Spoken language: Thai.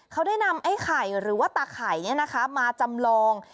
เขาได้นำไอ้ไข่หรือว่าตะไข่เนี่ยนะคะมาจำลอง